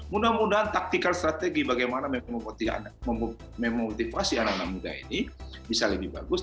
mudah mudahan taktikal strategi bagaimana memotivasi anak anak muda ini bisa lebih bagus